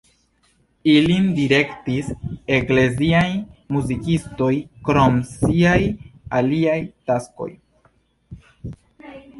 Ilin direktis ekleziaj muzikistoj krom siaj aliaj taskoj.